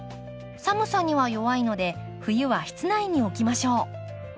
寒さには弱いので冬は室内に置きましょう。